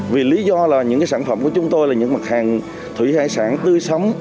vì lý do là những sản phẩm của chúng tôi là những mặt hàng thủy hải sản tươi sống